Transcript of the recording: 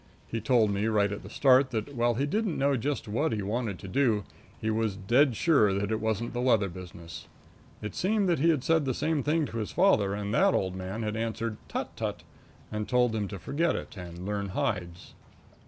He told me right at the start that, while he didn't know just what he wanted to do, he was dead sure that it wasn't the leather business. It seemed that he had said the same thing to his father and that the old man had answered, "Tut, tut," and told him to forget it and to learn hides.